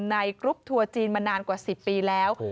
กรุ๊ปทัวร์จีนมานานกว่า๑๐ปีแล้ว